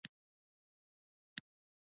موټر له فابریکې نه تولیدېږي.